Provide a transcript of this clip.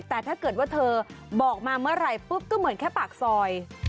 แต่ถ้าเกิดว่าเธอบอกมาเมื่อไหร่ปุ๊บก็เหมือนแค่ปากซอย